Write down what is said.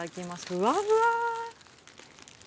ふわふわ。